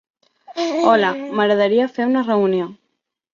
Hola, m'agradaria fer una reunió.